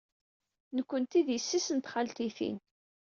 Nekkenti d yessi-s n txaltitin.